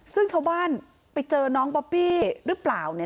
ซึ่งชาวบ้านไปเจอน้องบอบบี้หรือเปล่าเนี่ย